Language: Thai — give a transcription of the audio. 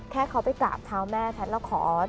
แค่เขาไปกราบเท้าแม่แพทย์แล้วขอ